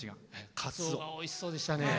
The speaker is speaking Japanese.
カツオおいしそうでしたね。